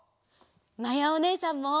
まやおねえさんも。